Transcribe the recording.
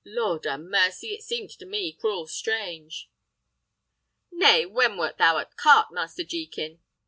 Lord a' mercy! it seemed to me cruel strange!" "Nay, when wert thou at court, Master Jekin?"